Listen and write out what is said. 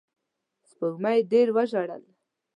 سپوږمۍ ډېر وژړل